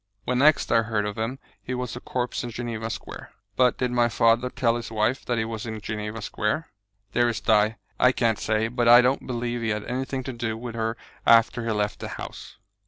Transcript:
When next I heard of him he was a corpse in Geneva Square." "But did my father tell his wife that he was in Geneva Square?" "Dearest Di, I can't say; but I don't believe he had anything to do with her after he left the house."